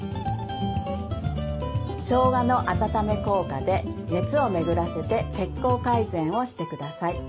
しょうがの温め効果で熱を巡らせて血行改善をしてください。